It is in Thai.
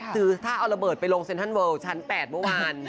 คือถ้าเอาระเบิดไปลงเซ็นทรัลเวิลชั้น๘เมื่อวาน